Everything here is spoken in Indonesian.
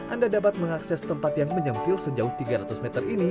anda dapat mengakses tempat yang menyempil sejauh tiga ratus meter ini